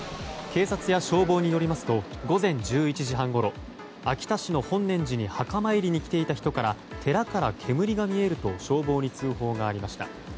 警察や消防によりますと午前１１時半ごろ秋田市の本念寺に墓参りに来ていた人から寺から煙が見えると消防に通報がありました。